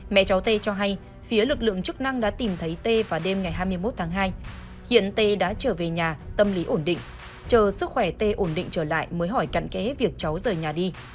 mẹ cháu tê cho hay phía lực lượng chức năng đã tìm thấy tê vào đêm ngày hai mươi một tháng hai hiện tê đã trở về nhà tâm lý ổn định chờ sức khỏe tê ổn định trở lại mới hỏi cạn kế việc cháu rời nhà đi